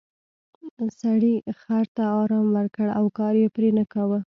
سړي خر ته ارام ورکړ او کار یې پرې نه کاوه.